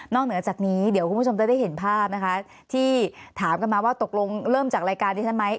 เหนือจากนี้เดี๋ยวคุณผู้ชมจะได้เห็นภาพนะคะที่ถามกันมาว่าตกลงเริ่มจากรายการที่ฉันไหม